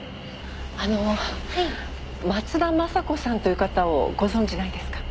あの松田雅子さんという方をご存じないですか？